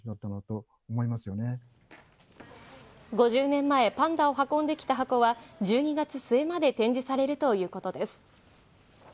５０年前、パンダを運んできた箱は１２月末まで展示されるということです。